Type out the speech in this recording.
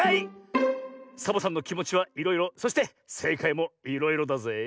サボさんのきもちはいろいろそしてせいかいもいろいろだぜえ。